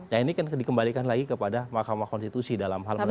nah ini kan dikembalikan lagi kepada mahkamah konstitusi dalam hal ini